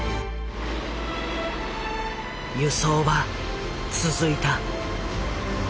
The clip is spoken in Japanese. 輸送は続いた。